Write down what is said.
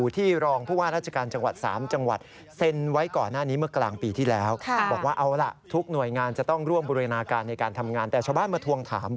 ที่รองพวกราชการจังหวัด๓จังหวัด